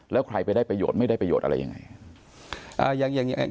แล้วใครไปได้ประโยชน์ไม่ได้ประโยชน์อะไรยังไง